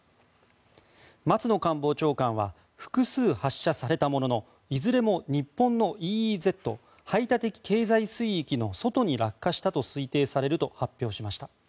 松野官房長官は複数発射されたもののいずれも、日本のＥＥＺ・排他的経済水域の外に落下したと推定されると発表しました。